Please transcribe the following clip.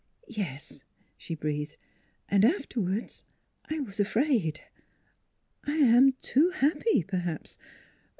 " Yes," she breathed. " And afterward I was afraid. I am too happy, perhaps.